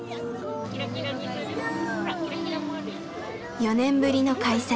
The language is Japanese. ４年ぶりの開催。